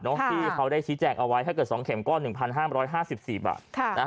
ที่เขาได้ชี้แจงเอาไว้ถ้าเกิด๒เข็มก็๑๕๕๔บาท